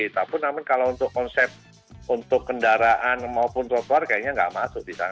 tapi kalau untuk konsep untuk kendaraan maupun trotoar kayaknya nggak masuk di sana